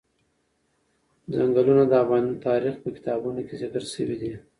چنګلونه د افغان تاریخ په کتابونو کې ذکر شوی دي.